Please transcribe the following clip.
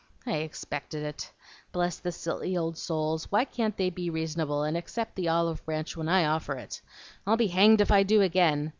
"I expected it! Bless the silly old souls! why can't they be reasonable, and accept the olive branch when I offer it? I'll be hanged if I do again!